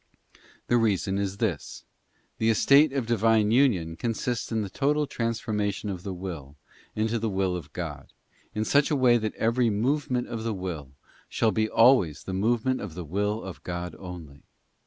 The reason is this: the estate of Divine union ec consists in the total transformation of the will into the will fect unionre Of God, in such a way that every movement of the will shall tity ot wil, be always the movement of the will of God only.